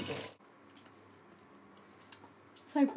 最高。